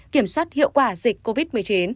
kiểm soát hiệu quả dịch covid một mươi chín